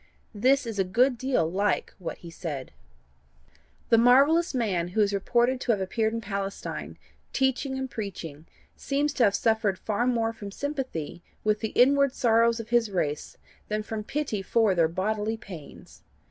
This is a good deal like what he said: "The marvellous man who is reported to have appeared in Palestine, teaching and preaching, seems to have suffered far more from sympathy with the inward sorrows of his race than from pity for their bodily pains.